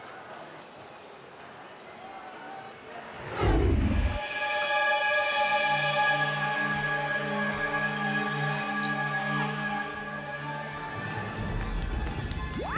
ya biasa kan